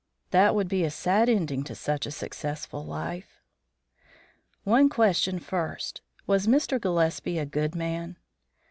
That would be a sad ending to such a successful life." "One question first. Was Mr. Gillespie a good man?"